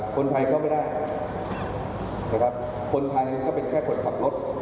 คนไทยก็ไม่ได้นะครับคนไทยก็เป็นแค่คนขับรถ